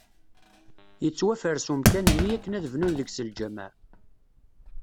Yettwafres umkan-nni akken ad bnun deg-s lǧamaɛ.